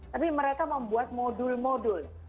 tapi mereka membuat modul modul